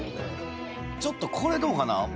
ちょっとこれどうかな？